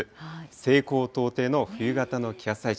西高東低の冬型の気圧配置。